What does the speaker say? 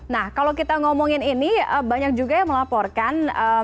nah kalau kita ngomongin ini banyak juga yang melaporkan